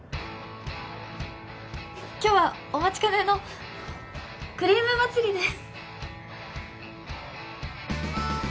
今日はお待ちかねのクリーム祭りです